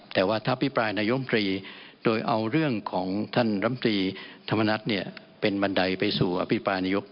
แต่ว่าถ้าพิปรายนายมตรีโดยเอาเรื่องของท่านรำตรีธรรมนัฐเนี่ยเป็นบันไดไปสู่อภิปรายนายก